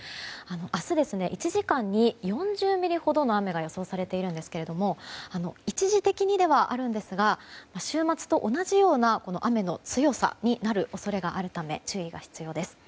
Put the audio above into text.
明日、１時間に４０ミリほどの雨が予想されているんですけども一時的にではあるんですが週末と同じような雨の強さになる恐れがあるため注意が必要です。